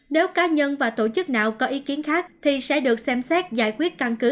nếu cá nhân và tổ chức nào có ý kiến khác thì sẽ được xem xét giải quyết căn cứ